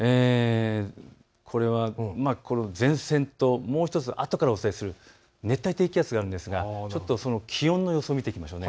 前線とあとからお伝えする熱帯低気圧があるんですが、まず気温の予想を見ていきましょう。